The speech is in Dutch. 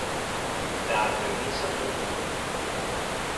Daar heb ik niets aan toe te voegen.